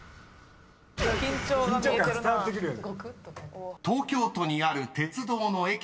緊張感伝わってくるよね。